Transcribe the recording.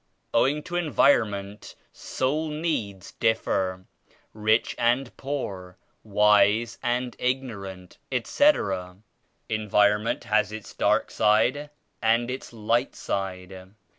Owing to environment, soul needs dif fer; rich and poor, wise and ignorant, etc. En vironment has its dark side and its light side.